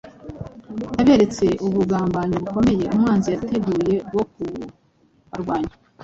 Yaberetse ubugambanyi bukomeye umwanzi yateguye bwo kubarwanya.